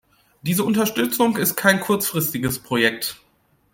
Diese Unterstützung ist kein kurzfristiges Projekt.